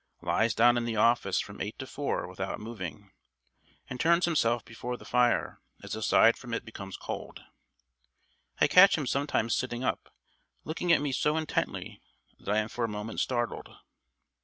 Lies down in the office from eight to four without moving, and turns himself before the fire as the side from it becomes cold. I catch him sometimes sitting up looking at me so intently that I am for a moment startled...."